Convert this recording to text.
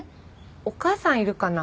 お母さんいるかな？